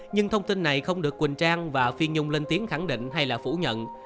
nhưng thông tin này không được quỳnh trang và phi nhung lên tiếng khẳng định hay là phủ nhận